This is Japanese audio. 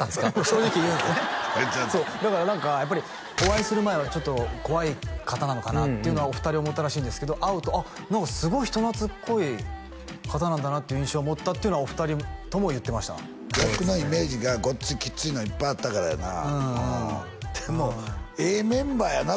正直言うんすねだから何かやっぱりお会いする前はちょっと怖い方なのかなっていうのはお二人思ったらしいんですけど会うと「あっ何かすごい人懐っこい方なんだな」という印象を持ったっていうのはお二人とも言ってました役のイメージがごっつきついのいっぱいあったからやなでもええメンバーやな